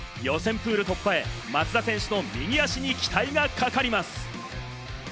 プール突破へ、松田選手の右足に期待がかかります。